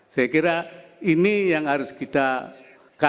saya kira ini yang harus kita